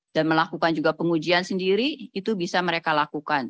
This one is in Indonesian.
dan melakukan juga pengujian sendiri itu bisa mereka lakukan